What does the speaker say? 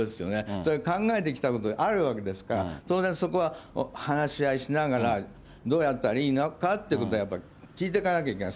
それ考えてきたことがあるわけですから、当然、そこは話し合いしながら、どうやったらいいのかということをやっぱり聞いていかなきゃいけない。